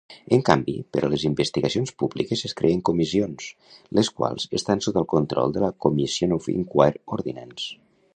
En canvi, per a les investigacions públiques es creen comissions, les quals estan sota el control de la Comissions of Inquiry Ordinance.